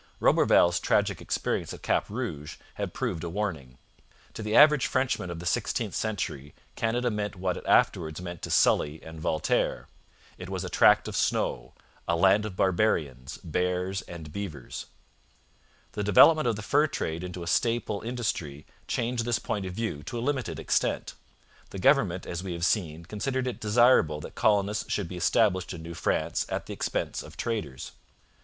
Roberval's tragic experience at Cap Rouge had proved a warning. To the average Frenchman of the sixteenth century Canada meant what it afterwards meant to Sully and Voltaire. It was a tract of snow; a land of barbarians, bears, and beavers. The development of the fur trade into a staple industry changed this point of view to a limited extent. The government, as we have seen, considered it desirable that colonists should be established in New France at the expense of traders.